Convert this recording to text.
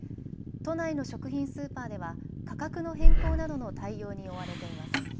都内の食品スーパーでは価格の変更などの対応に追われています。